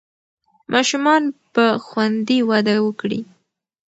ماشومان به خوندي وده وکړي.